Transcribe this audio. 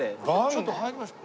ちょっと入りましょう。